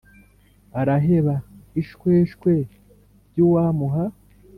ahaheba ishweshwe ry’uwamuha